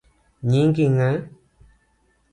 Nyingi ng’a?